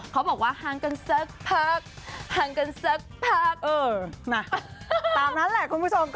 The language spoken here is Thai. เขาบอกว่าห่างกันสักพักห่างกันสักพัก